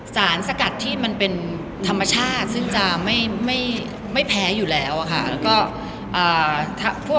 สารสกัดที่เป็นธรรมชาติซึ่งจะไม่แพ้อยู่แล้ว